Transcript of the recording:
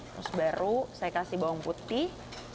terus baru saya kasih bawang putih